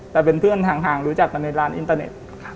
แต่เป็นเพื่อนห่างรู้จักกันในร้านอินเตอร์เน็ต